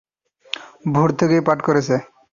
ভোর থেকেই পাঠ করতেছে।